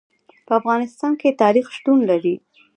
په افغانستان کې تاریخ شتون لري.